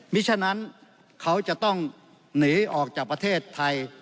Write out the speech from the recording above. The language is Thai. มีฉะนั้นเขาจะต้องหนีออกจากประเทศไทย